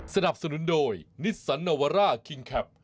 สนับสนุนโดยนิสสันโนวาร่าคิงแคป